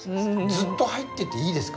ずっと入ってていいですか？